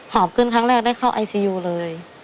อบขึ้นครั้งแรกได้เข้าไอซียูเลย